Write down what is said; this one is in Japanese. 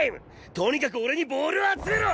とにかく俺にボールを集めろ！